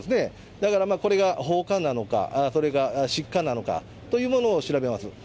だから、これが放火なのか、それか失火なのか、というものを調べます。